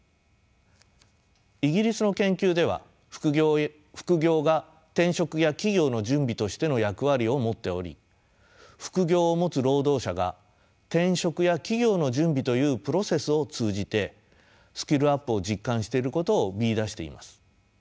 イギリスの研究では副業が転職や起業の準備としての役割を持っており副業を持つ労働者が転職や起業の準備というプロセスを通じてスキルアップを実感していることを見いだしています。